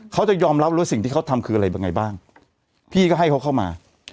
เขาจะยอมรับว่าสิ่งที่เขาทำคืออะไรยังไงบ้างพี่ก็ให้เขาเข้ามา